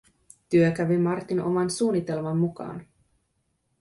Työ kävi Martin oman suunnitelman mukaan.